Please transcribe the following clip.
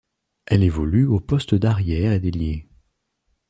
Elle évolue aux postes d'arrière et d'ailier.